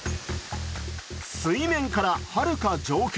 水面からはるか上空。